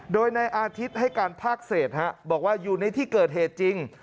โดยในอาทิตย์ให้การภาคเศษบอกว่าอยู่ในที่เกิดเหตุจริง